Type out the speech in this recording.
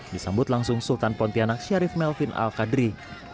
disambut langsung sultan pontianak syarif melvin al qadri